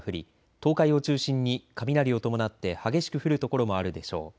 東海を中心に雷を伴って激しく降る所もあるでしょう。